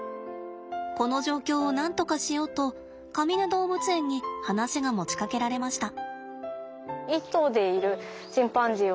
この状況をなんとかしようとかみね動物園に話が持ちかけられました。